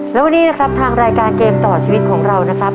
และวันนี้นะครับทางรายการเกมต่อชีวิตของเรานะครับ